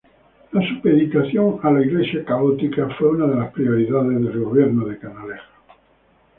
La política religiosa fue una de las prioridades del gobierno de Canalejas.